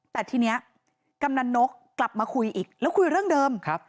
แต่ทีนี้กำนันนกกลับมาคุยอีกแล้วคุยเรื่องเดิม